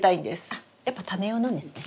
あやっぱタネ用なんですね。